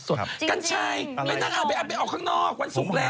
จริงมีออกแล้วกัญชัยไปนั่งอาบไปอาบไปออกข้างนอกวันศุกร์แล้ว